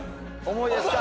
重いですか？